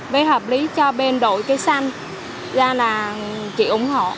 với hợp lý cho bên đội cây xanh ra là chị ủng hộ